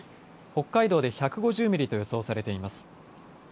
北海道で１５０ミリと予想されています。